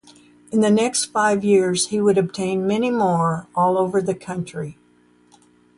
In the next five years, he would obtain many more all over the country.